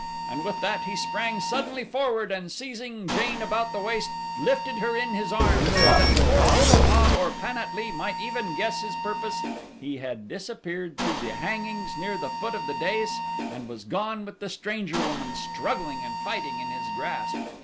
and with that he sprang suddenly forward and seizing Jane about the waist lifted her in his arms, so that before O lo a or Pan at lee might even guess his purpose he had disappeared through the hangings near the foot of the dais and was gone with the stranger woman struggling and fighting in his grasp.